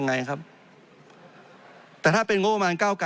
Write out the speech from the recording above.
จริงโครงการนี้มันเป็นภาพสะท้อนของรัฐบาลชุดนี้ได้เลยนะครับ